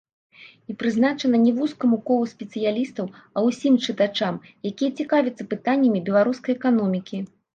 І прызначана не вузкаму колу спецыялістаў, а усім чытачам, якія цікавяцца пытаннямі беларускай эканомікі.